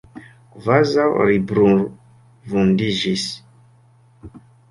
Kvazaŭ li brulvundiĝis.